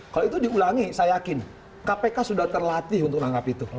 kalau itu diulangi saya yakin kpk sudah terlatih untuk menangkap itu